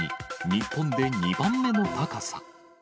日本で２番目の高さ。